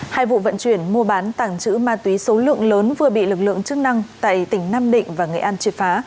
hai vụ vận chuyển mua bán tàng trữ ma túy số lượng lớn vừa bị lực lượng chức năng tại tỉnh nam định và nghệ an triệt phá